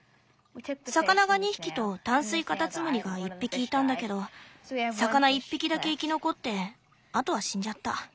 魚が２匹と淡水カタツムリが１匹いたんだけど魚１匹だけ生き残ってあとは死んじゃった。